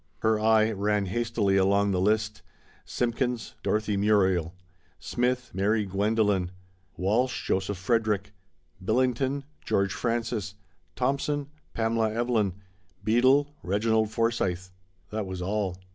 Her eye ran hastily along the list :" Simpkins, Dorothy Muriel ; Smith, Mary Gwendolen; Walsh, Joseph Frederick; Bil lington, George Francis ; Thompson, Pamela Evelyn ; Beadle, Reginald Forsyth." That was all.